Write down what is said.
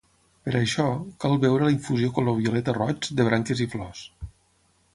Per a això, cal beure la infusió color violeta roig, de branques i flors.